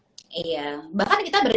iya bahkan kita berdiri